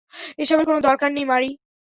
এসবের কোনো দরকার নেই, মারি।